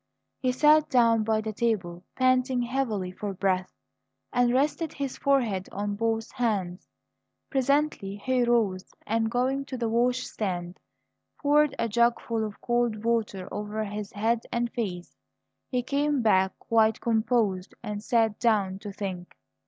He sat down by the table, panting heavily for breath, and rested his forehead on both hands. Presently he rose, and, going to the wash stand, poured a jugful of cold water over his head and face. He came back quite composed, and sat down to think.